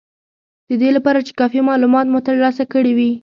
د دې لپاره چې کافي مالومات مو ترلاسه کړي وي